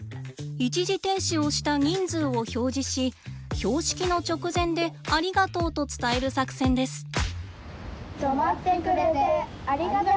一時停止をした人数を表示し標識の直前で「ありがとう」と伝える作戦です。